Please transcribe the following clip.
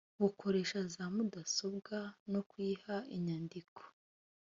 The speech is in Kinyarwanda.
bukoresha za mudasobwa no kuyiha inyandiko